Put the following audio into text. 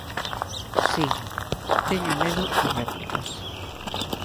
Si, teño medo a réplicas.